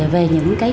về những cái